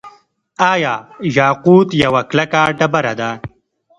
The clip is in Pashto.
آیا یاقوت یوه کلکه ډبره ده؟